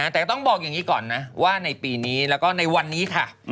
แต่ต้องบอกอย่างนี้ก่อนนะว่าในปีนี้แล้วก็ในวันนี้ค่ะ